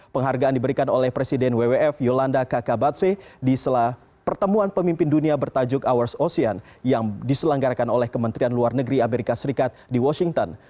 penghargaan diberikan oleh presiden wwf yolanda kakabatse di sela pertemuan pemimpin dunia bertajuk ours ocean yang diselenggarakan oleh kementerian luar negeri amerika serikat di washington